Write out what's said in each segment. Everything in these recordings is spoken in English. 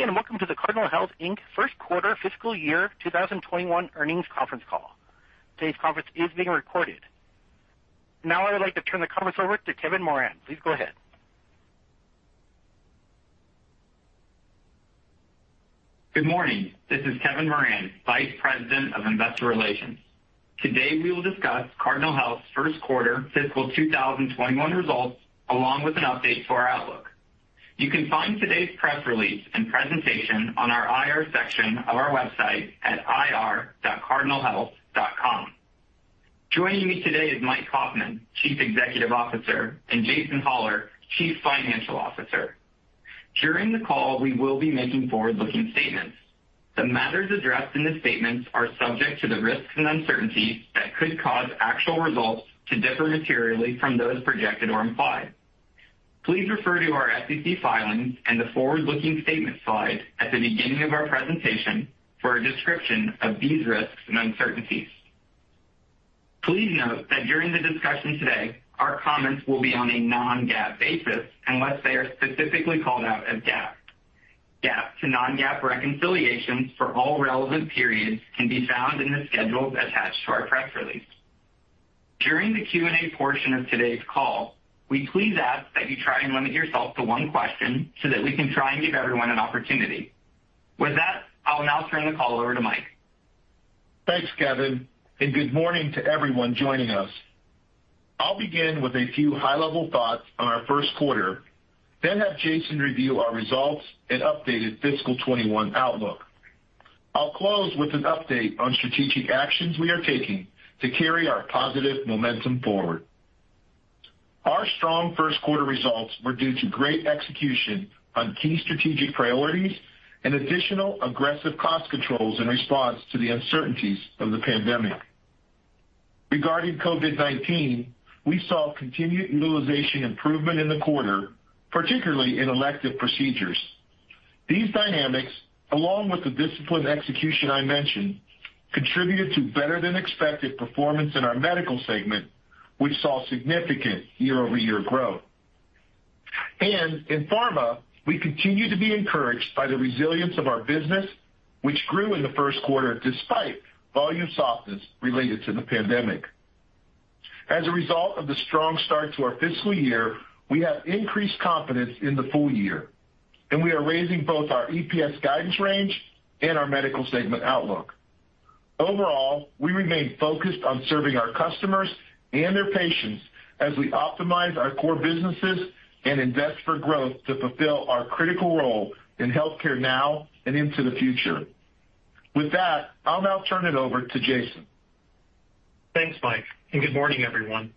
Good day, and welcome to the Cardinal Health, Inc. First Quarter Fiscal Year 2021 Earnings Conference Call. Today's conference is being recorded. Now, I would like to turn the conference over to Kevin Moran. Please go ahead. Good morning. This is Kevin Moran, Vice President of Investor Relations. Today, we will discuss Cardinal Health's First Quarter Fiscal 2021 Results, along with an update to our outlook. You can find today's press release and presentation on our IR section of our website at ir.cardinalhealth.com. Joining me today is Mike Kaufmann, Chief Executive Officer, and Jason Hollar, Chief Financial Officer. During the call, we will be making forward-looking statements. The matters addressed in the statements are subject to the risks and uncertainties that could cause actual results to differ materially from those projected or implied. Please refer to our SEC filings and the forward-looking statements slide at the beginning of our presentation for a description of these risks and uncertainties. Please note that during the discussion today, our comments will be on a non-GAAP basis unless they are specifically called out as GAAP. GAAP to non-GAAP reconciliations for all relevant periods can be found in the schedules attached to our press release. During the Q&A portion of today's call, we please ask that you try and limit yourself to one question so that we can try and give everyone an opportunity. With that, I'll now turn the call over to Mike. Thanks, Kevin, and good morning to everyone joining us. I'll begin with a few high-level thoughts on our first quarter, then have Jason review our results and updated fiscal 2021 outlook. I'll close with an update on strategic actions we are taking to carry our positive momentum forward. Our strong first quarter results were due to great execution on key strategic priorities and additional aggressive cost controls in response to the uncertainties of the pandemic. Regarding COVID-19, we saw continued utilization improvement in the quarter, particularly in elective procedures. These dynamics, along with the disciplined execution I mentioned, contributed to better than expected performance in our Medical segment. We saw significant year-over-year growth. In pharma, we continue to be encouraged by the resilience of our business, which grew in the first quarter despite volume softness related to the pandemic. As a result of the strong start to our fiscal year, we have increased confidence in the full year. We are raising both our EPS guidance range and our Medical segment outlook. Overall, we remain focused on serving our customers and their patients as we optimize our core businesses and invest for growth to fulfill our critical role in healthcare now and into the future. With that, I'll now turn it over to Jason. Thanks, Mike, good morning, everyone.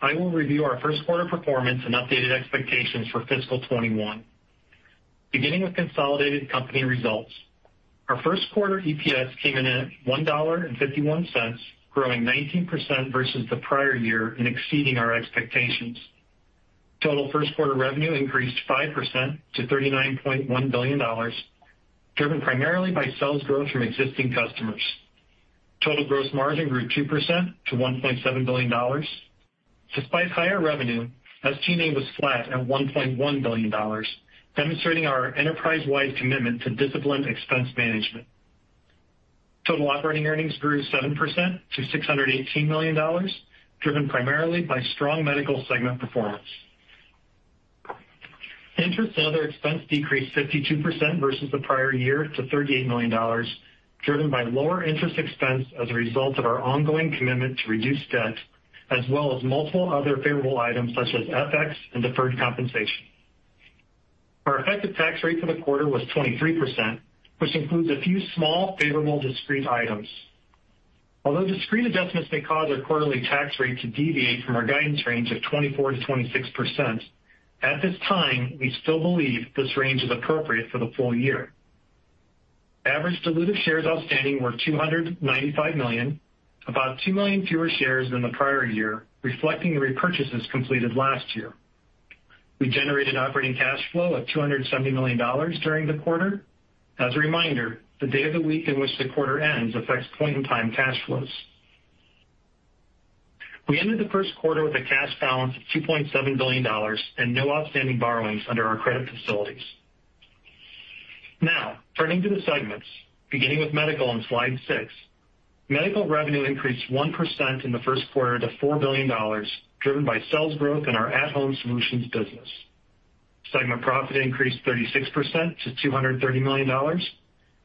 I will review our first quarter performance and updated expectations for fiscal 2021. Beginning with consolidated company results, our first quarter EPS came in at $1.51, growing 19% versus the prior year and exceeding our expectations. Total first quarter revenue increased 5% to $39.1 billion, driven primarily by sales growth from existing customers. Total gross margin grew 2% to $1.7 billion. Despite higher revenue, SG&A was flat at $1.1 billion, demonstrating our enterprise-wide commitment to disciplined expense management. Total operating earnings grew 7% to $618 million, driven primarily by strong Medical segment performance. Interest and other expense decreased 52% versus the prior year to $38 million, driven by lower interest expense as a result of our ongoing commitment to reduce debt, as well as multiple other favorable items such as FX and deferred compensation. Our effective tax rate for the quarter was 23%, which includes a few small favorable discrete items. Although discrete adjustments may cause our quarterly tax rate to deviate from our guidance range of 24%-26%, at this time, we still believe this range is appropriate for the full year. Average dilutive shares outstanding were 295 million, about $2 million fewer shares than the prior year, reflecting repurchases completed last year. We generated operating cash flow of $270 million during the quarter. As a reminder, the day of the week in which the quarter ends affects point-in-time cash flows. We ended the first quarter with a cash balance of $2.7 billion and no outstanding borrowings under our credit facilities. Turning to the segments, beginning with Medical on slide six. Medical revenue increased 1% in the first quarter to $4 billion, driven by sales growth in our at-Home Solutions business. Segment profit increased 36% to $230 million,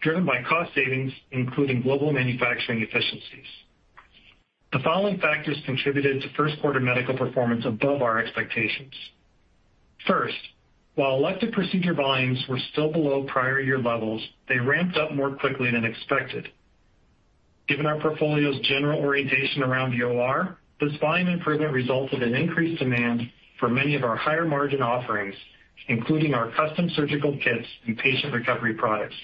driven by cost savings, including global manufacturing efficiencies. The following factors contributed to first quarter Medical performance above our expectations. While elective procedure volumes were still below prior year levels, they ramped up more quickly than expected. Given our portfolio's general orientation around the OR, this volume improvement resulted in increased demand for many of our higher margin offerings, including our custom surgical kits and patient recovery products.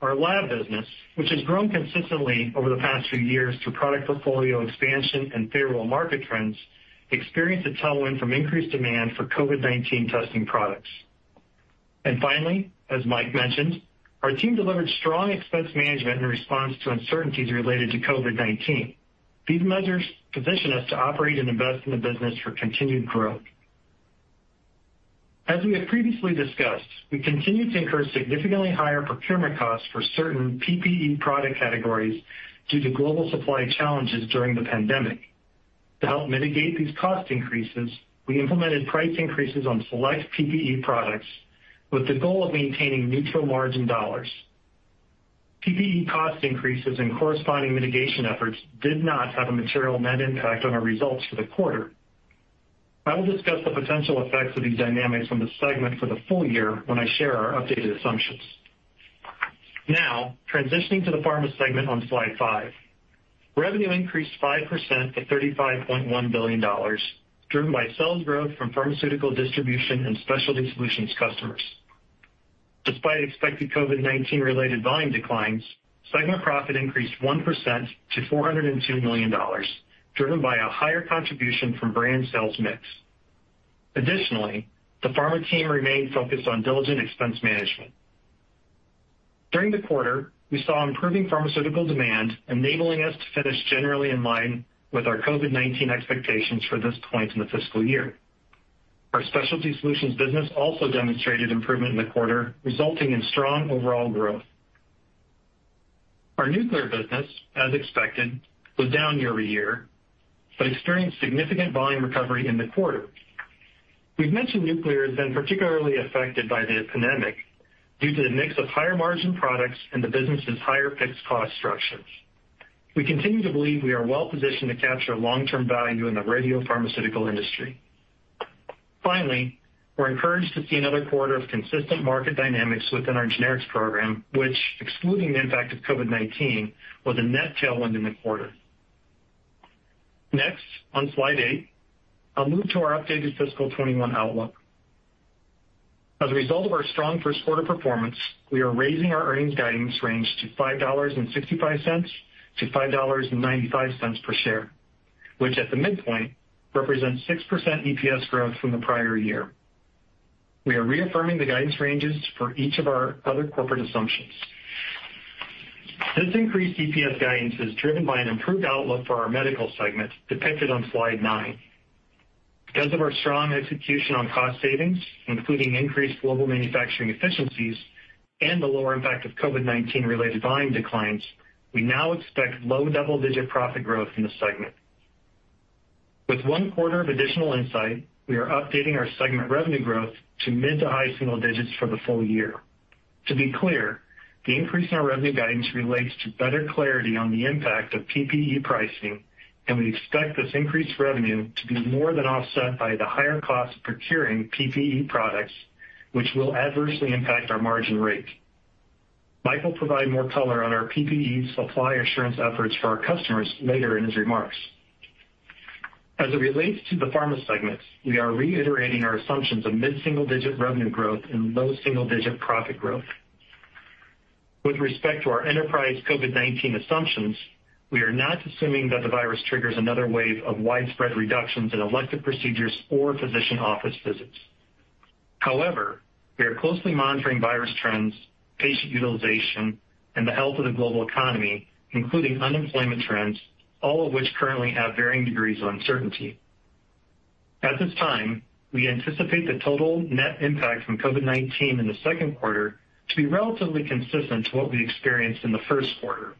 Our lab business, which has grown consistently over the past few years through product portfolio expansion and favorable market trends, experienced a tailwind from increased demand for COVID-19 testing products. Finally, as Mike mentioned, our team delivered strong expense management in response to uncertainties related to COVID-19. These measures position us to operate and invest in the business for continued growth. As we have previously discussed, we continue to incur significantly higher procurement costs for certain PPE product categories due to global supply challenges during the COVID-19 pandemic. To help mitigate these cost increases, we implemented price increases on select PPE products with the goal of maintaining neutral margin dollars. PPE cost increases and corresponding mitigation efforts did not have a material net impact on our results for the quarter. I will discuss the potential effects of these dynamics on the segment for the full year when I share our updated assumptions. Now, transitioning to the Pharma segment on slide five. Revenue increased 5% to $35.1 billion, driven by sales growth from Pharmaceutical distribution and specialty solutions customers. Despite expected COVID-19 related volume declines, segment profit increased 1% to $402 million, driven by a higher contribution from brand sales mix. Additionally, the Pharma team remained focused on diligent expense management. During the quarter, we saw improving Pharmaceutical demand, enabling us to finish generally in line with our COVID-19 expectations for this point in the fiscal year. Our specialty solutions business also demonstrated improvement in the quarter, resulting in strong overall growth. Our nuclear business, as expected, was down year-over-year, but experienced significant volume recovery in the quarter. We've mentioned nuclear has been particularly affected by the pandemic due to the mix of higher margin products and the business's higher fixed cost structures. We continue to believe we are well-positioned to capture long-term value in the radiopharmaceutical industry. Finally, we're encouraged to see another quarter of consistent market dynamics within our generics program, which excluding the impact of COVID-19, was a net tailwind in the quarter. On slide eight, I'll move to our updated fiscal 2021 outlook. As a result of our strong first quarter performance, we are raising our earnings guidance range to $5.65-$5.95 per share, which at the midpoint represents 6% EPS growth from the prior year. We are reaffirming the guidance ranges for each of our other corporate assumptions. This increased EPS guidance is driven by an improved outlook for our Medical segment depicted on slide nine. Because of our strong execution on cost savings, including increased global manufacturing efficiencies and the lower impact of COVID-19 related volume declines, we now expect low double-digit profit growth in the segment. With one quarter of additional insight, we are updating our segment revenue growth to mid to high single digits for the full year. To be clear, the increase in our revenue guidance relates to better clarity on the impact of PPE pricing, and we expect this increased revenue to be more than offset by the higher cost of procuring PPE products, which will adversely impact our margin rate. Mike will provide more color on our PPE Supply Assurance efforts for our customers later in his remarks. As it relates to the Pharma segments, we are reiterating our assumptions of mid-single digit revenue growth and low double-digit profit growth. With respect to our enterprise COVID-19 assumptions, we are not assuming that the virus triggers another wave of widespread reductions in elective procedures or physician office visits. However, we are closely monitoring virus trends, patient utilization, and the health of the global economy, including unemployment trends, all of which currently have varying degrees of uncertainty. At this time, we anticipate the total net impact from COVID-19 in the second quarter to be relatively consistent to what we experienced in the first quarter.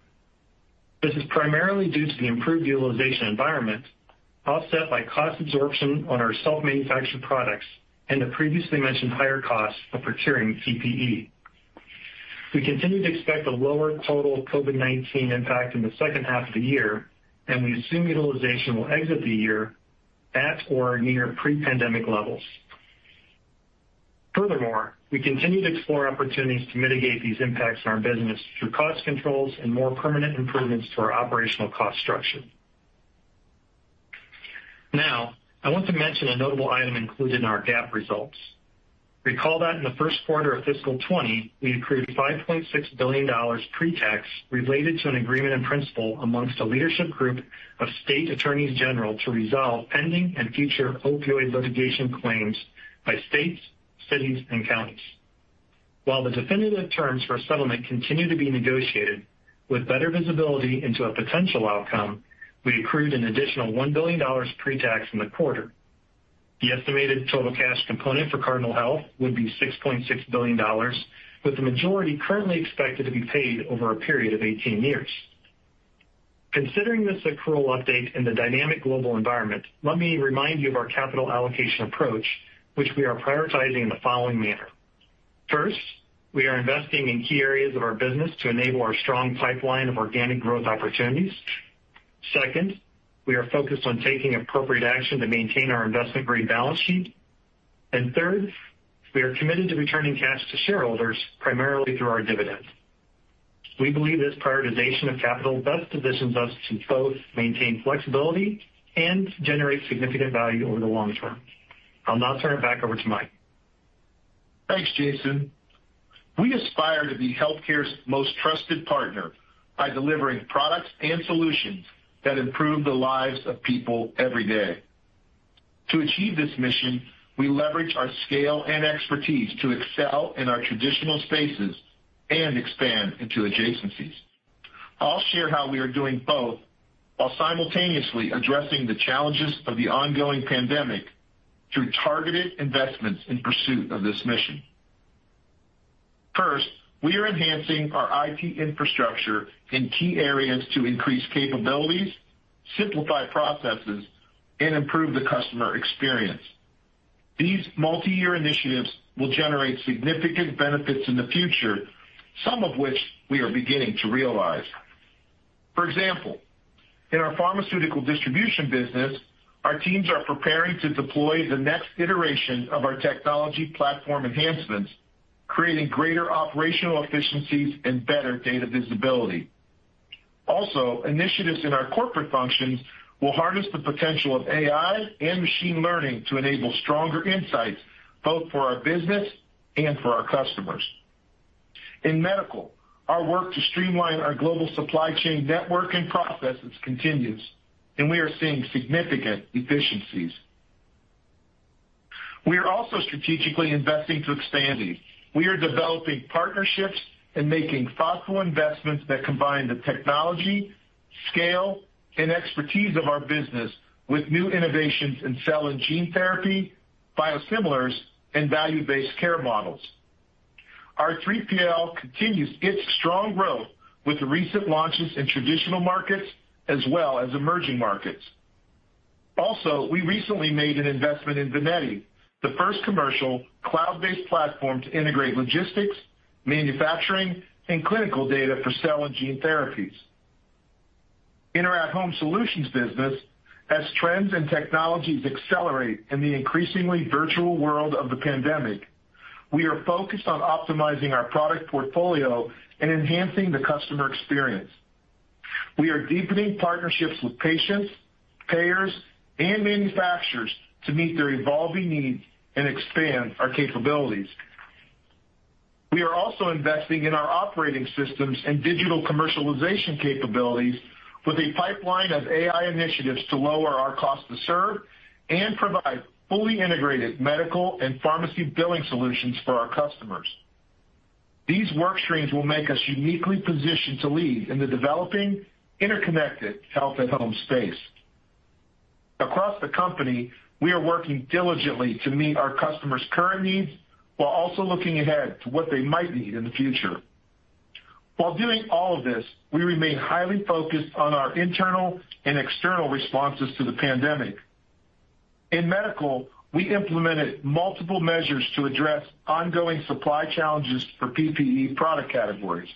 This is primarily due to the improved utilization environment, offset by cost absorption on our self-manufactured products and the previously mentioned higher cost of procuring PPE. We continue to expect a lower total COVID-19 impact in the second half of the year, and we assume utilization will exit the year at or near pre-pandemic levels. Furthermore, we continue to explore opportunities to mitigate these impacts on our business through cost controls and more permanent improvements to our operational cost structure. Now, I want to mention a notable item included in our GAAP results. Recall that in the first quarter of fiscal 2020, we accrued $5.6 billion pre-tax related to an agreement in principle amongst a leadership group of state attorneys general to resolve pending and future opioid litigation claims by states, cities, and counties. While the definitive terms for settlement continue to be negotiated, with better visibility into a potential outcome, we accrued an additional $1 billion pre-tax in the quarter. The estimated total cash component for Cardinal Health would be $6.6 billion, with the majority currently expected to be paid over a period of 18 years. Considering this accrual update in the dynamic global environment, let me remind you of our capital allocation approach, which we are prioritizing in the following manner. First, we are investing in key areas of our business to enable our strong pipeline of organic growth opportunities. Second, we are focused on taking appropriate action to maintain our investment-grade balance sheet. Third, we are committed to returning cash to shareholders, primarily through our dividends. We believe this prioritization of capital best positions us to both maintain flexibility and generate significant value over the long term. I'll now turn it back over to Mike. Thanks, Jason. We aspire to be healthcare's most trusted partner by delivering products and solutions that improve the lives of people every day. To achieve this mission, we leverage our scale and expertise to excel in our traditional spaces and expand into adjacencies. I'll share how we are doing both while simultaneously addressing the challenges of the ongoing pandemic through targeted investments in pursuit of this mission. First, we are enhancing our IT infrastructure in key areas to increase capabilities, simplify processes, and improve the customer experience. These multi-year initiatives will generate significant benefits in the future, some of which we are beginning to realize. For example, in our Pharmaceutical distribution business, our teams are preparing to deploy the next iteration of our technology platform enhancements, creating greater operational efficiencies and better data visibility. Initiatives in our corporate functions will harness the potential of AI and machine learning to enable stronger insights both for our business and for our customers. In Medical, our work to streamline our global supply chain network and processes continues, and we are seeing significant efficiencies. We are also strategically investing to expand. We are developing partnerships and making thoughtful investments that combine the technology, scale, and expertise of our business with new innovations in cell and gene therapy, biosimilars, and value-based care models. Our 3PL continues its strong growth with the recent launches in traditional markets as well as emerging markets. We recently made an investment in Vineti, the first commercial cloud-based platform to integrate logistics, manufacturing, and clinical data for cell and gene therapies. In our at-Home Solutions business, as trends and technologies accelerate in the increasingly virtual world of the pandemic, we are focused on optimizing our product portfolio and enhancing the customer experience. We are deepening partnerships with patients, payers, and manufacturers to meet their evolving needs and expand our capabilities. We are also investing in our operating systems and digital commercialization capabilities with a pipeline of AI initiatives to lower our cost to serve and provide fully integrated medical and pharmacy billing solutions for our customers. These work streams will make us uniquely positioned to lead in the developing interconnected health-at-home space. Across the company, we are working diligently to meet our customers' current needs while also looking ahead to what they might need in the future. While doing all of this, we remain highly focused on our internal and external responses to the pandemic. In Medical, we implemented multiple measures to address ongoing supply challenges for PPE product categories.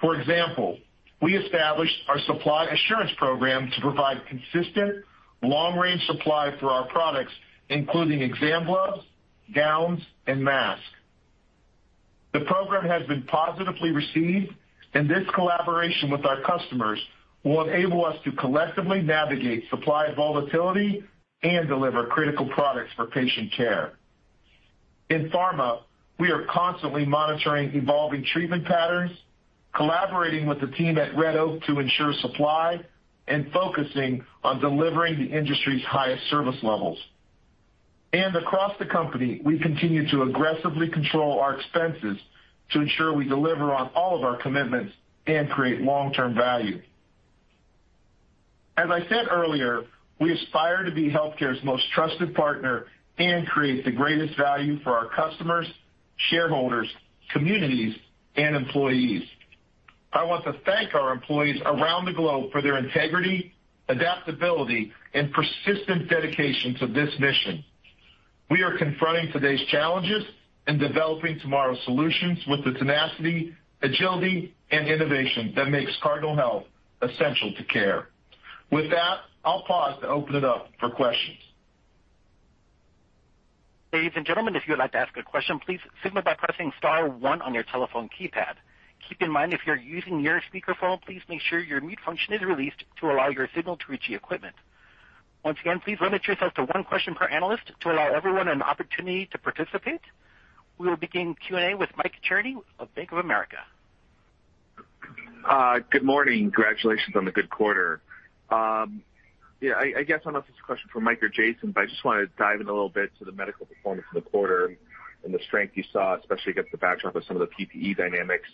For example, we established our Supply Assurance program to provide consistent, long-range supply for our products, including exam gloves, gowns, and masks. The program has been positively received. This collaboration with our customers will enable us to collectively navigate supply volatility and deliver critical products for patient care. In Pharma, we are constantly monitoring evolving treatment patterns, collaborating with the team at Red Oak to ensure supply, focusing on delivering the industry's highest service levels. Across the company, we continue to aggressively control our expenses to ensure we deliver on all of our commitments and create long-term value. As I said earlier, we aspire to be healthcare's most trusted partner and create the greatest value for our customers, shareholders, communities, and employees. I want to thank our employees around the globe for their integrity, adaptability, and persistent dedication to this mission. We are confronting today's challenges and developing tomorrow's solutions with the tenacity, agility, and innovation that makes Cardinal Health essential to care. With that, I'll pause to open it up for questions. Ladies and gentlemen, if you would like to ask a question, please signal by pressing star one on your telephone keypad. Keep in mind if you're using your speakerphone, please make sure your mute function is released to allow your signal to reach the equipment. Once again, please limit yourself to one question per analyst to allow everyone an opportunity to participate. We will begin Q&A with Mike Cherny of Bank of America. Good morning. Congratulations on the good quarter. I guess I don't know if this is a question for Mike or Jason, I just want to dive in a little bit to the Medical performance in the quarter and the strength you saw, especially against the backdrop of some of the PPE dynamics.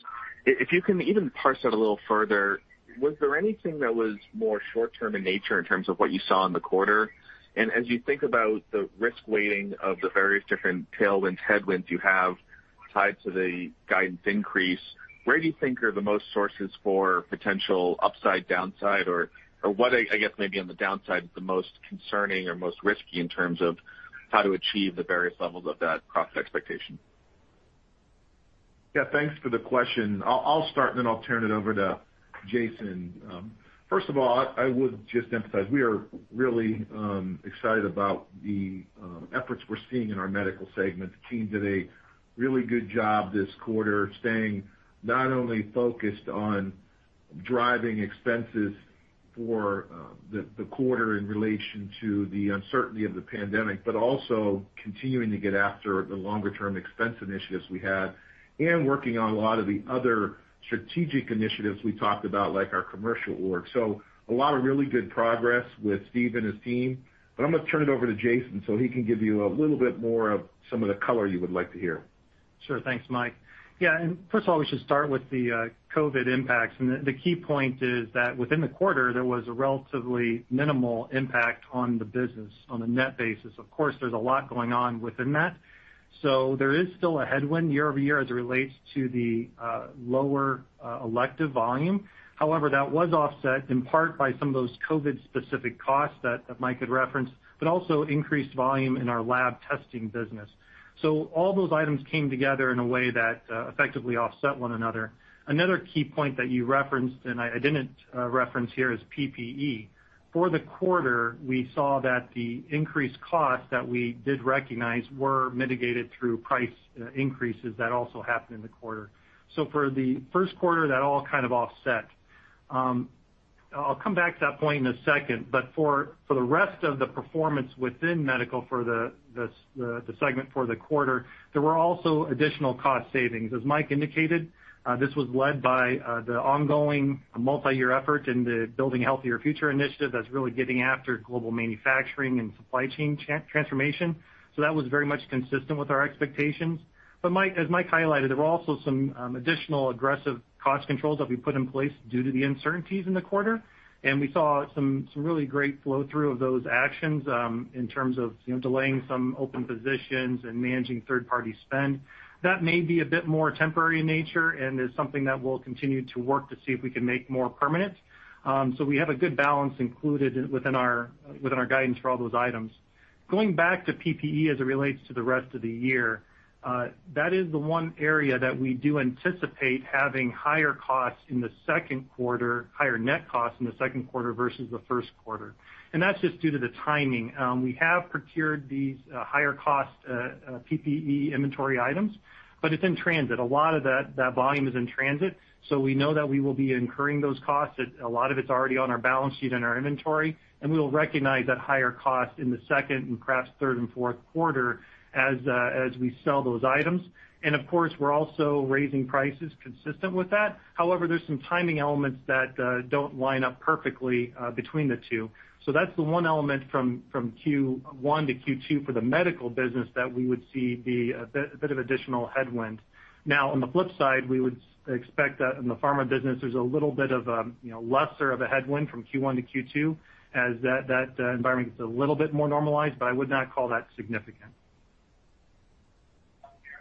If you can even parse that a little further, was there anything that was more short-term in nature in terms of what you saw in the quarter? As you think about the risk weighting of the various different tailwinds, headwinds you have tied to the guidance increase, where do you think are the most sources for potential upside, downside, or what, I guess, maybe on the downside is the most concerning or most risky in terms of how to achieve the various levels of that cross-expectation? Yeah. Thanks for the question. I'll start, and then I'll turn it over to Jason. First of all, I would just emphasize we are really excited about the efforts we're seeing in our Medical segment. The team did a really good job this quarter staying not only focused on driving expenses for the quarter in relation to the uncertainty of the pandemic, but also continuing to get after the longer-term expense initiatives we had and working on a lot of the other strategic initiatives we talked about, like our commercial org. A lot of really good progress with Steve and his team, but I'm going to turn it over to Jason so he can give you a little bit more of some of the color you would like to hear. Sure. Thanks, Mike. First of all, we should start with the COVID impacts. The key point is that within the quarter, there was a relatively minimal impact on the business on a net basis. Of course, there's a lot going on within that. There is still a headwind year-over-year as it relates to the lower elective volume. However, that was offset in part by some of those COVID specific costs that Mike had referenced, but also increased volume in our lab testing business. All those items came together in a way that effectively offset one another. Another key point that you referenced, and I didn't reference here, is PPE. For the quarter, we saw that the increased costs that we did recognize were mitigated through price increases that also happened in the quarter. For the first quarter, that all kind of offset. I'll come back to that point in a second. For the rest of the performance within the Medical segment for the quarter, there were also additional cost savings. As Mike indicated, this was led by the ongoing multi-year effort in the Building a Healthier Future initiative that's really getting after global manufacturing and supply chain transformation. That was very much consistent with our expectations. As Mike highlighted, there were also some additional aggressive cost controls that we put in place due to the uncertainties in the quarter, and we saw some really great flow through of those actions, in terms of delaying some open positions and managing third-party spend. That may be a bit more temporary in nature and is something that we'll continue to work to see if we can make more permanent. We have a good balance included within our guidance for all those items. Going back to PPE as it relates to the rest of the year, that is the one area that we do anticipate having higher net costs in the second quarter versus the first quarter. That's just due to the timing. We have procured these higher cost PPE inventory items, but it's in transit. A lot of that volume is in transit, so we know that we will be incurring those costs. A lot of it's already on our balance sheet in our inventory, and we will recognize that higher cost in the second and perhaps third and fourth quarter as we sell those items. Of course, we're also raising prices consistent with that. However, there's some timing elements that don't line up perfectly between the two. That's the one element from Q1 to Q2 for the Medical business that we would see the bit of additional headwind. Now, on the flip side, we would expect that in the Pharma business, there's a little bit of a lesser of a headwind from Q1 to Q2 as that environment gets a little bit more normalized, but I would not call that significant.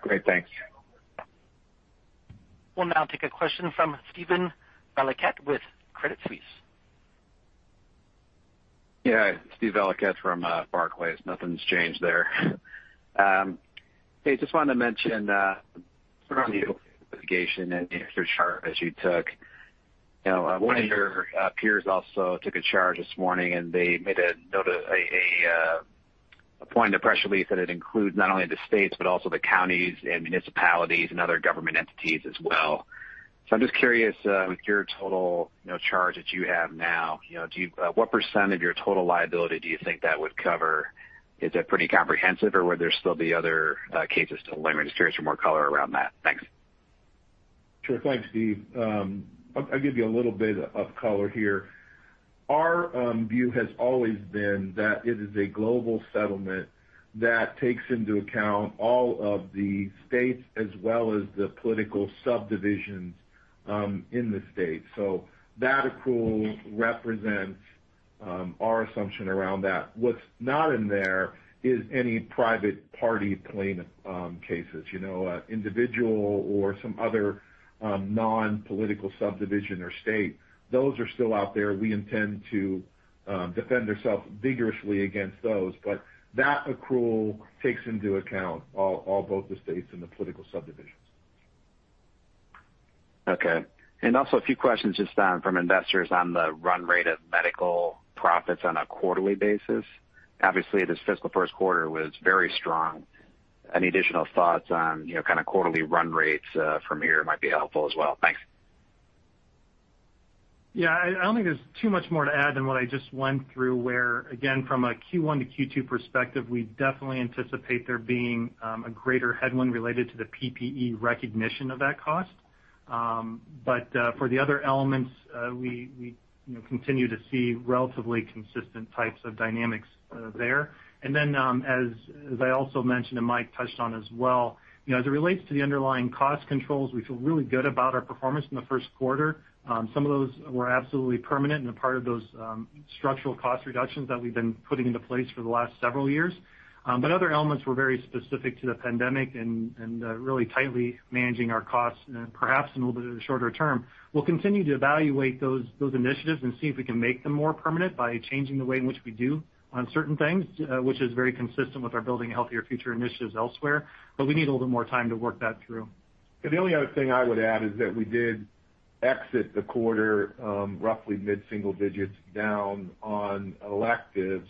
Great. Thank you. We'll now take a question from Steven Valiquette with Credit Suisse. Steve Valiquette from Barclays. Nothing's changed there. Just wanted to mention from the litigation and the extra charge that you took, one of your peers also took a charge this morning, and they made a point in the press release that it includes not only the states, but also the counties and municipalities and other government entities as well. I'm just curious, with your total charge that you have now, what percent of your total liability do you think that would cover? Is that pretty comprehensive, or would there still be other cases still lingering? I'm just curious for more color around that. Thanks. Sure. Thanks, Steve. I'll give you a little bit of color here. Our view has always been that it is a global settlement that takes into account all of the states as well as the political subdivisions in the state. So that accrual represents our assumption around that. What's not in there is any private party plaintiff cases, individual or some other non-political subdivision or state. Those are still out there. We intend to defend ourselves vigorously against those. That accrual takes into account all both the states and the political subdivisions. Okay. Also a few questions just from investors on the run rate of medical profits on a quarterly basis. Obviously, this fiscal first quarter was very strong. Any additional thoughts on kind of quarterly run rates from here might be helpful as well. Thanks. Yeah, I don't think there's too much more to add than what I just went through, where, again, from a Q1 to Q2 perspective, we definitely anticipate there being a greater headwind related to the PPE recognition of that cost. For the other elements, we continue to see relatively consistent types of dynamics there. As I also mentioned and Mike touched on as well, as it relates to the underlying cost controls, we feel really good about our performance in the first quarter. Some of those were absolutely permanent and a part of those structural cost reductions that we've been putting into place for the last several years. Other elements were very specific to the pandemic and really tightly managing our costs perhaps in a little bit of the shorter term. We'll continue to evaluate those initiatives and see if we can make them more permanent by changing the way in which we do on certain things, which is very consistent with our Building a Healthier Future initiatives elsewhere. We need a little more time to work that through. The only other thing I would add is that we did exit the quarter roughly mid-single digits down on electives,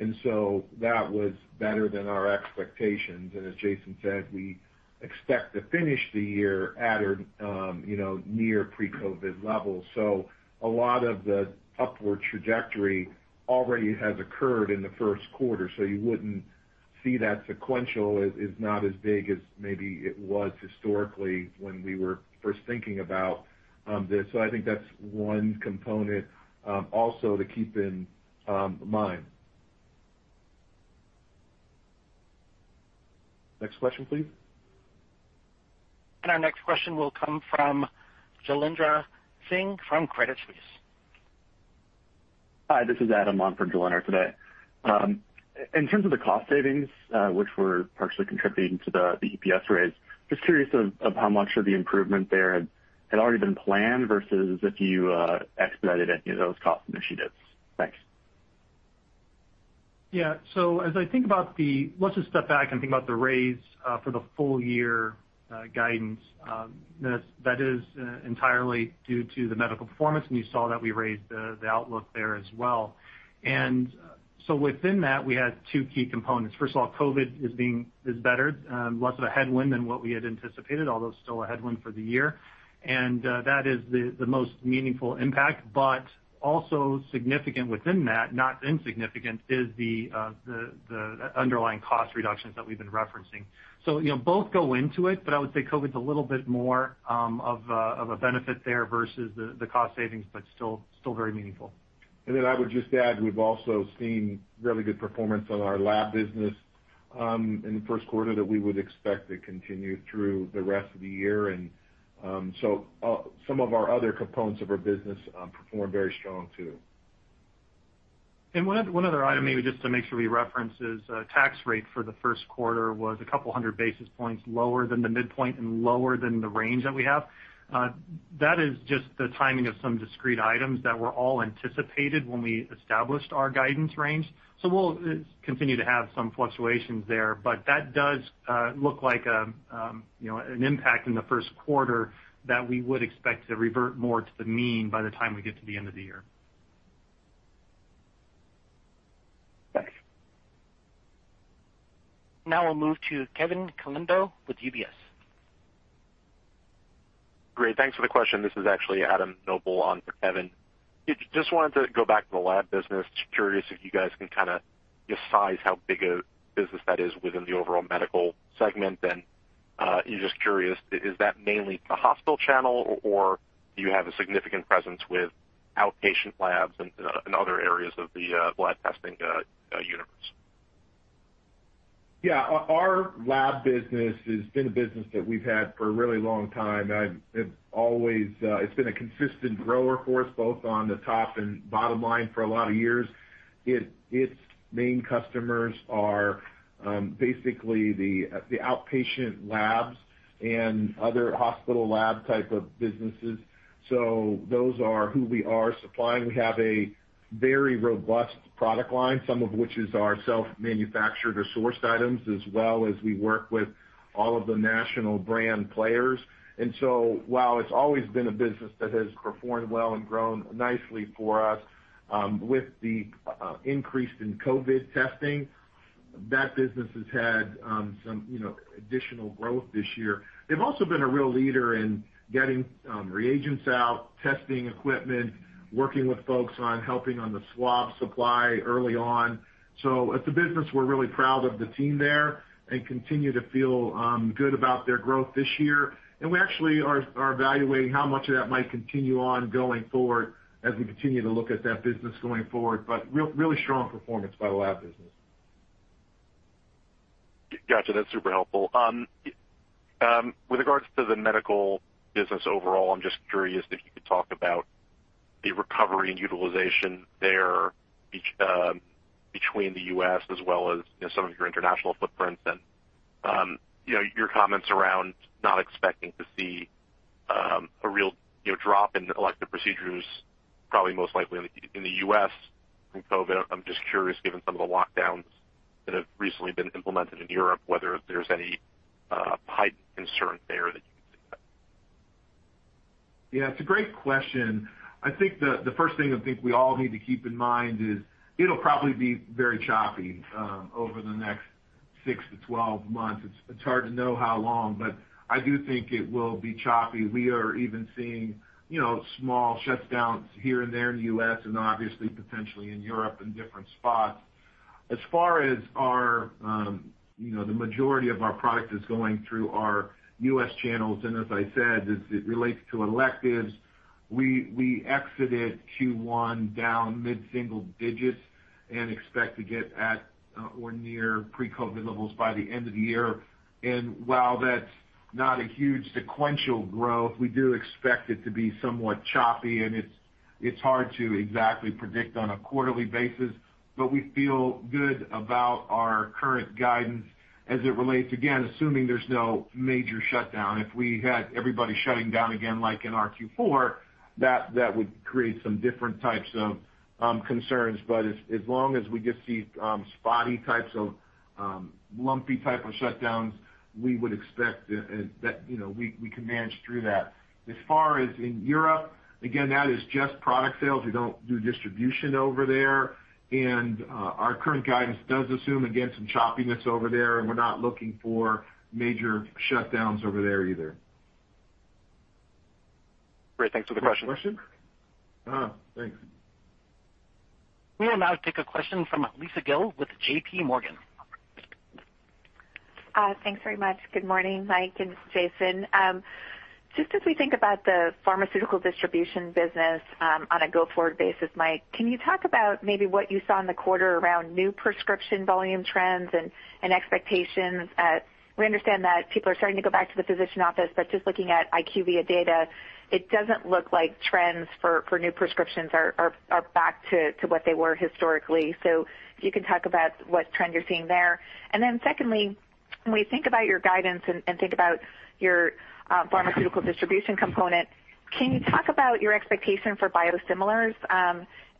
that was better than our expectations. As Jason said, we expect to finish the year at or near pre-COVID levels. A lot of the upward trajectory already has occurred in the first quarter. You wouldn't see that sequential is not as big as maybe it was historically when we were first thinking about this. I think that's one component also to keep in mind. Next question, please. Our next question will come from Jailendra Singh from Credit Suisse. Hi, this is Adam on for Jailendra today. In terms of the cost savings, which were partially contributing to the EPS raise, just curious of how much of the improvement there had already been planned versus if you expedited any of those cost initiatives. Thanks. Yeah. Let's just step back and think about the raise for the full year guidance. That is entirely due to the medical performance, and you saw that we raised the outlook there as well. Within that, we had two key components. First of all, COVID is better, less of a headwind than what we had anticipated, although still a headwind for the year. That is the most meaningful impact, but also significant within that, not insignificant, is the underlying cost reductions that we've been referencing. Both go into it, but I would say COVID's a little bit more of a benefit there versus the cost savings, but still very meaningful. I would just add, we've also seen really good performance on our lab business in the first quarter that we would expect to continue through the rest of the year. Some of our other components of our business performed very strong, too. One other item, maybe just to make sure we reference, is tax rate for the first quarter was a couple hundred basis points lower than the midpoint and lower than the range that we have. That is just the timing of some discrete items that were all anticipated when we established our guidance range. We'll continue to have some fluctuations there, but that does look like an impact in the first quarter that we would expect to revert more to the mean by the time we get to the end of the year. Thanks. Now we'll move to Kevin Caliendo with UBS. Great. Thanks for the question. This is actually Adam Noble on for Kevin. Wanted to go back to the lab business. Curious if you guys can kind of just size how big a business that is within the overall Medical segment. Just curious, is that mainly the hospital channel, or do you have a significant presence with outpatient labs and other areas of the blood testing universe? Yeah. Our lab business has been a business that we've had for a really long time. It's been a consistent grower for us, both on the top and bottom line for a lot of years. Its main customers are basically the outpatient labs and other hospital lab type of businesses. Those are who we are supplying. We have a very robust product line, some of which is our self-manufactured or sourced items, as well as we work with all of the national brand players. While it's always been a business that has performed well and grown nicely for us, with the increase in COVID testing, that business has had some additional growth this year. They've also been a real leader in getting reagents out, testing equipment, working with folks on helping on the swab supply early on. It's a business we're really proud of the team there and continue to feel good about their growth this year. We actually are evaluating how much of that might continue on going forward as we continue to look at that business going forward. Really strong performance by the lab business. Got you. That's super helpful. With regards to the Medical business overall, I'm just curious if you could talk about the recovery and utilization there between the U.S. as well as some of your international footprints and your comments around not expecting to see a real drop in elective procedures, probably most likely in the U.S. from COVID-19. I'm just curious, given some of the lockdowns that have recently been implemented in Europe, whether there's any heightened concern there that you can see. Yeah, it's a great question. I think the first thing I think we all need to keep in mind is it'll probably be very choppy over the next 6-12 months. It's hard to know how long, but I do think it will be choppy. We are even seeing small shutdowns here and there in the U.S. and obviously potentially in Europe in different spots. As far as the majority of our product is going through our U.S. channels, and as I said, as it relates to electives, we exited Q1 down mid-single digits and expect to get at or near pre-COVID-19 levels by the end of the year. While that's not a huge sequential growth, we do expect it to be somewhat choppy, and it's hard to exactly predict on a quarterly basis, but we feel good about our current guidance as it relates, again, assuming there's no major shutdown. If we had everybody shutting down again, like in our Q4, that would create some different types of concerns. As long as we just see spotty types of lumpy type of shutdowns, we would expect that we can manage through that. As far as in Europe, again, that is just product sales. We don't do distribution over there. Our current guidance does assume, again, some choppiness over there, and we're not looking for major shutdowns over there either. Great. Thanks for the question. Next question? Uh-huh. Thanks. We will now take a question from Lisa Gill with JPMorgan. Thanks very much. Good morning, Mike and Jason. Just as we think about the Pharmaceutical distribution business on a go-forward basis, Mike, can you talk about maybe what you saw in the quarter around new prescription volume trends and expectations? We understand that people are starting to go back to the physician office, but just looking at IQVIA data, it doesn't look like trends for new prescriptions are back to what they were historically. If you can talk about what trend you're seeing there. Secondly, when we think about your guidance and think about your Pharmaceutical distribution component, can you talk about your expectation for biosimilars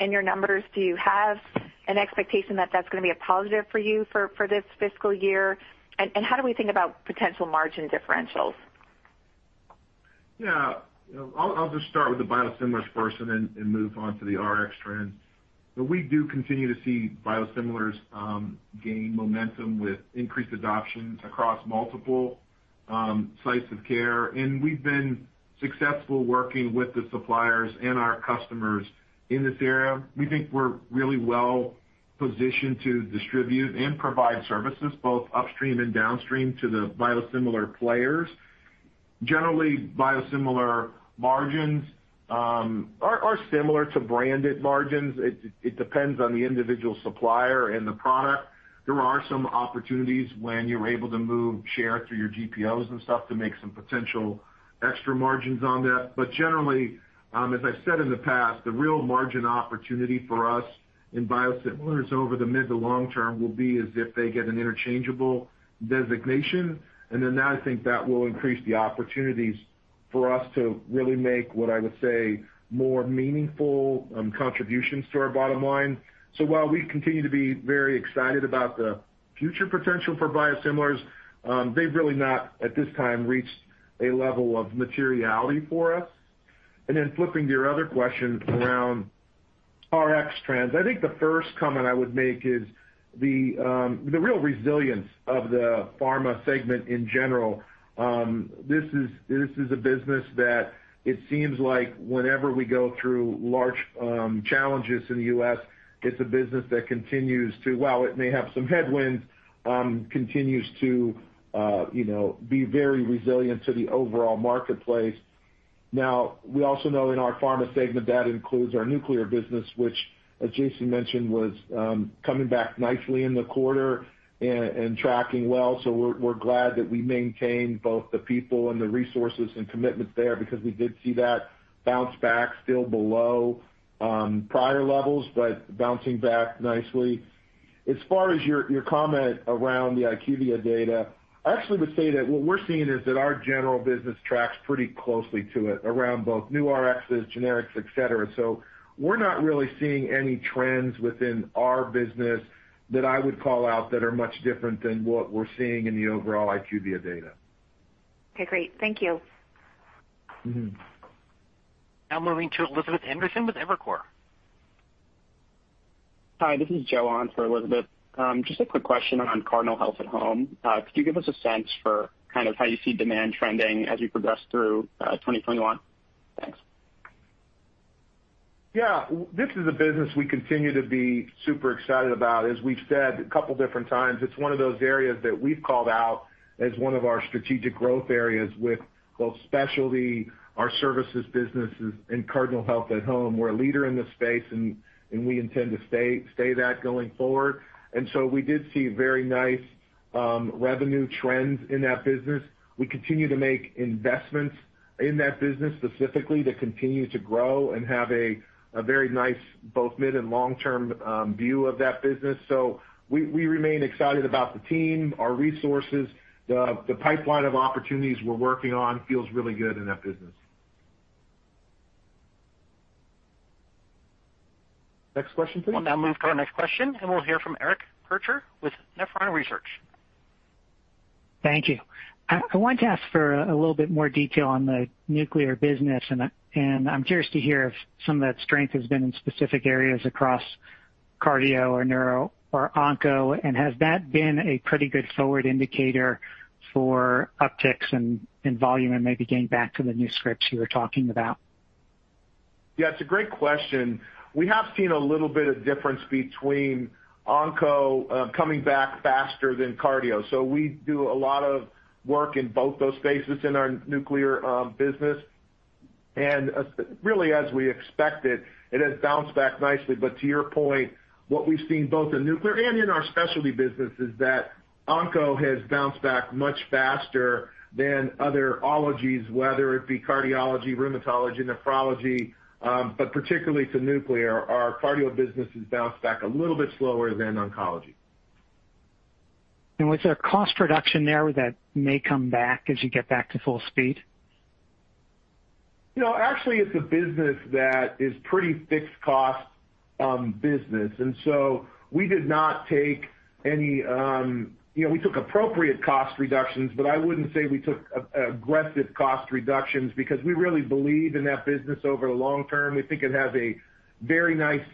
in your numbers? Do you have an expectation that that's going to be a positive for you for this fiscal year? How do we think about potential margin differentials? Yeah. I'll just start with the biosimilars first and then move on to the Rx trends. We do continue to see biosimilars gain momentum with increased adoption across multiple sites of care, and we've been successful working with the suppliers and our customers in this area. We think we're really well-positioned to distribute and provide services, both upstream and downstream, to the biosimilar players. Generally, biosimilar margins are similar to branded margins. It depends on the individual supplier and the product. There are some opportunities when you're able to move share through your GPOs and stuff to make some potential extra margins on that. Generally, as I've said in the past, the real margin opportunity for us in biosimilars over the mid to long term will be if they get an interchangeable designation. I think that will increase the opportunities for us to really make, what I would say, more meaningful contributions to our bottom line. While we continue to be very excited about the future potential for biosimilars, they've really not, at this time, reached a level of materiality for us. Flipping to your other question around Rx trends, I think the first comment I would make is the real resilience of the Pharma segment in general. This is a business that it seems like whenever we go through large challenges in the U.S., it's a business that, while it may have some headwinds, continues to be very resilient to the overall marketplace. We also know in our Pharma segment, that includes our nuclear business, which, as Jason mentioned, was coming back nicely in the quarter and tracking well. We're glad that we maintained both the people and the resources and commitment there because we did see that bounce back, still below prior levels, but bouncing back nicely. As far as your comment around the IQVIA data, I actually would say that what we're seeing is that our general business tracks pretty closely to it around both new Rx's, generics, et cetera. We're not really seeing any trends within our business that I would call out that are much different than what we're seeing in the overall IQVIA data. Okay, great. Thank you. Moving to Elizabeth Anderson with Evercore. Hi, this is Joe on for Elizabeth. Just a quick question on Cardinal Health at-Home. Could you give us a sense for kind of how you see demand trending as you progress through 2021? Thanks. Yeah. This is a business we continue to be super excited about. As we've said a couple different times, it's one of those areas that we've called out as one of our strategic growth areas with both specialty, our services businesses, and Cardinal Health at-Home. We're a leader in this space, and we intend to stay that going forward. We did see very nice revenue trends in that business. We continue to make investments in that business specifically to continue to grow and have a very nice, both mid and long-term, view of that business. We remain excited about the team, our resources. The pipeline of opportunities we're working on feels really good in that business. Next question, please. We'll now move to our next question, and we'll hear from Eric Percher with Nephron Research. Thank you. I wanted to ask for a little bit more detail on the nuclear business, and I'm curious to hear if some of that strength has been in specific areas across cardio or neuro or onco, and has that been a pretty good forward indicator for upticks in volume and maybe getting back to the new scripts you were talking about? Yeah, it's a great question. We have seen a little bit of difference between onco coming back faster than cardio. We do a lot of work in both those spaces in our nuclear business. Really, as we expected, it has bounced back nicely. To your point, what we've seen both in nuclear and in our specialty business is that onco has bounced back much faster than other ologies, whether it be cardiology, rheumatology, nephrology. Particularly to nuclear, our cardio business has bounced back a little bit slower than oncology. Was there cost reduction there that may come back as you get back to full speed? Actually, it's a business that is pretty fixed cost business. We did not take any. We took appropriate cost reductions, but I wouldn't say we took aggressive cost reductions because we really believe in that business over the long term. We think it has a very nice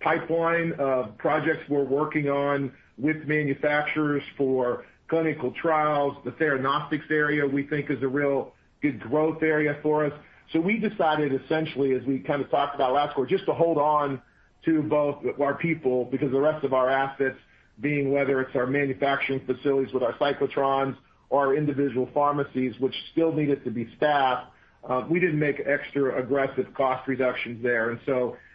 pipeline of projects we're working on with manufacturers for clinical trials. The Theranostics area, we think, is a real good growth area for us. We decided, essentially, as we kind of talked about last quarter, just to hold on to both our people because the rest of our assets, being whether it's our manufacturing facilities with our cyclotrons or our individual pharmacies, which still needed to be staffed, we didn't make extra aggressive cost reductions there.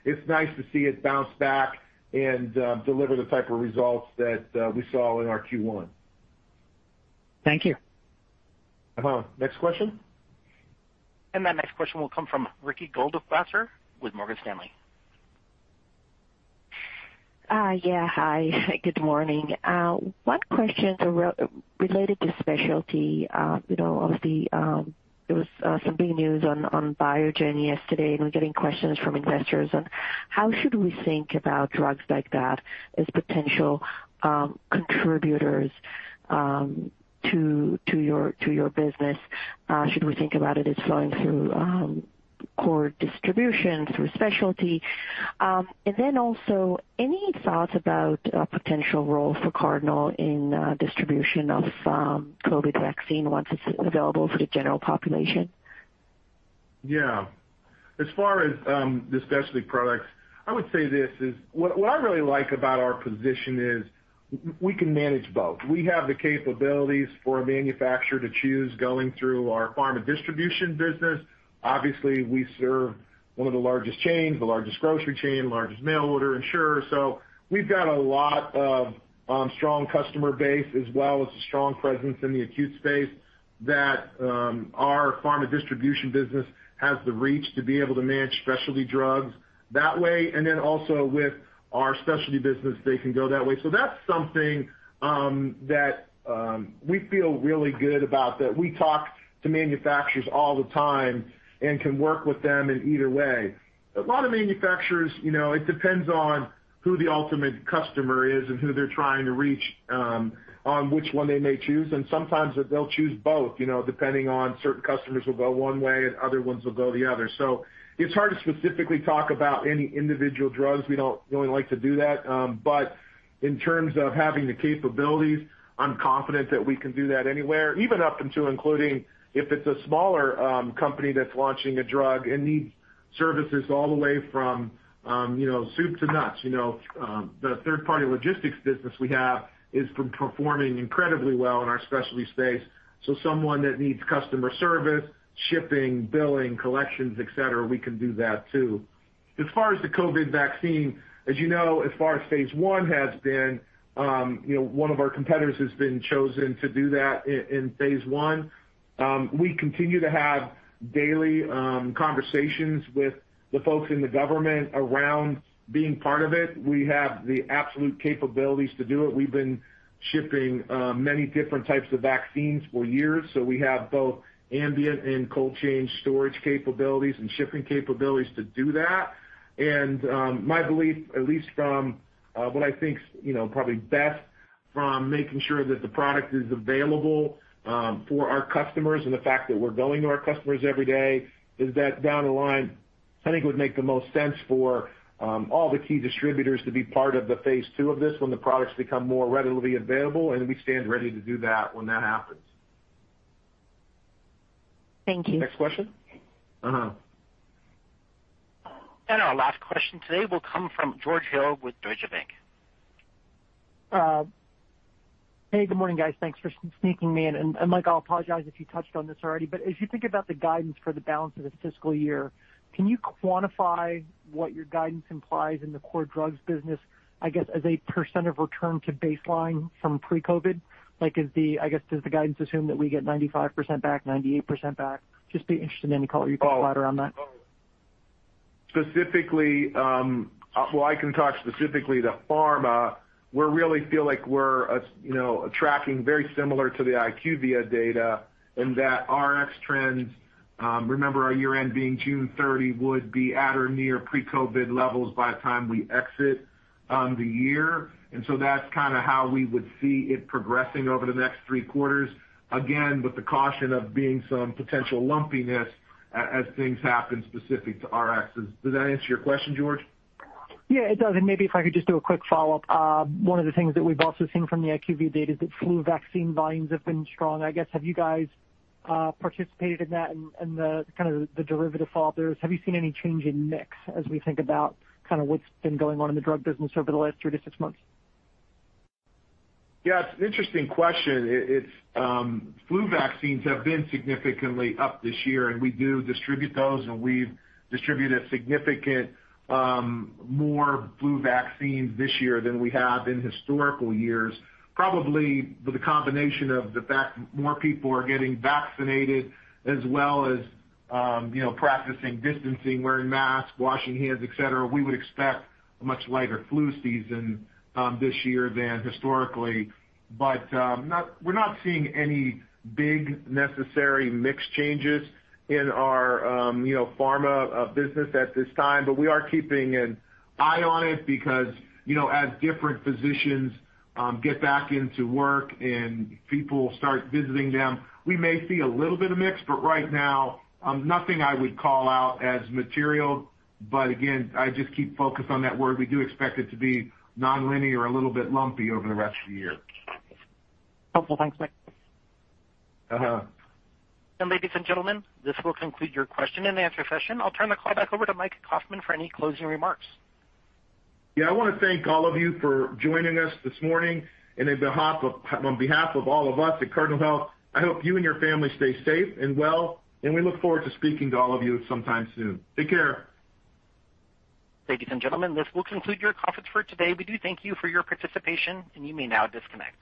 It's nice to see it bounce back and deliver the type of results that we saw in our Q1. Thank you. Next question. That next question will come from Ricky Goldwasser with Morgan Stanley. Yeah. Hi. Good morning. One question related to specialty. There was some big news on Biogen yesterday. We're getting questions from investors on how should we think about drugs like that as potential contributors to your business. Should we think about it as flowing through core distribution, through specialty? Also, any thoughts about a potential role for Cardinal in distribution of COVID vaccine once it's available for the general population? As far as the specialty products, I would say what I really like about our position is we can manage both. We have the capabilities for a manufacturer to choose going through our Pharma distribution business. We serve one of the largest chains, the largest grocery chain, largest mail order insurer. We've got a lot of strong customer base as well as a strong presence in the acute space that our Pharma distribution business has the reach to be able to manage specialty drugs that way. Also with our specialty business, they can go that way. That's something that we feel really good about, that we talk to manufacturers all the time and can work with them in either way. A lot of manufacturers, it depends on who the ultimate customer is and who they're trying to reach, on which one they may choose, and sometimes they'll choose both, depending on certain customers will go one way and other ones will go the other. It's hard to specifically talk about any individual drugs. We don't really like to do that. In terms of having the capabilities, I'm confident that we can do that anywhere, even up until including if it's a smaller company that's launching a drug and needs services all the way from soup to nuts. The third-party logistics business we have has been performing incredibly well in our specialty space. Someone that needs customer service, shipping, billing, collections, et cetera, we can do that too. As far as the COVID vaccine, as you know, as far as phase I has been, one of our competitors has been chosen to do that in phase I. We continue to have daily conversations with the folks in the government around being part of it. We have the absolute capabilities to do it. We've been shipping many different types of vaccines for years. We have both ambient and cold chain storage capabilities and shipping capabilities to do that. My belief, at least from what I think's probably best from making sure that the product is available for our customers and the fact that we're going to our customers every day, is that down the line, I think it would make the most sense for all the key distributors to be part of the phase II of this when the products become more readily available, and we stand ready to do that when that happens. Thank you. Next question. Uh-huh. Our last question today will come from George Hill with Deutsche Bank. Hey, good morning, guys. Thanks for sneaking me in. Mike, I'll apologize if you touched on this already, but as you think about the guidance for the balance of the fiscal year, can you quantify what your guidance implies in the core drugs business, I guess, as a percent of return to baseline from pre-COVID? I guess, does the guidance assume that we get 95% back, 98% back? Just be interested in any color you can provide around that. Well, I can talk specifically to Pharma. We really feel like we're tracking very similar to the IQVIA data in that Rx trends, remember our year end being June 30, would be at or near pre-COVID levels by the time we exit the year. That's kind of how we would see it progressing over the next three quarters. Again, with the caution of being some potential lumpiness, as things happen specific to Rxs. Does that answer your question, George? Yeah, it does. Maybe if I could just do a quick follow-up. One of the things that we've also seen from the IQVIA data is that flu vaccine volumes have been strong. I guess, have you guys participated in that and the kind of the derivatives? Have you seen any change in mix as we think about what's been going on in the drug business over the last three to six months? Yeah, it's an interesting question. Flu vaccines have been significant more this year, and we do distribute those, and we've distributed significant more flu vaccines this year than we have in historical years. Probably with a combination of the fact more people are getting vaccinated as well as practicing distancing, wearing masks, washing hands, et cetera, we would expect a much lighter flu season this year than historically. We're not seeing any big necessary mix changes in our Pharma business at this time. We are keeping an eye on it because, as different physicians get back into work and people start visiting them, we may see a little bit of mix. Right now, nothing I would call out as material. Again, I just keep focused on that word. We do expect it to be nonlinear, a little bit lumpy over the rest of the year. Helpful. Thanks, Mike. Ladies and gentlemen, this will conclude your question-and-answer session. I'll turn the call back over to Mike Kaufmann for any closing remarks. Yeah, I want to thank all of you for joining us this morning. On behalf of all of us at Cardinal Health, I hope you and your family stay safe and well, and we look forward to speaking to all of you sometime soon. Take care. Ladies and gentlemen, this will conclude your conference for today. We do thank you for your participation, and you may now disconnect.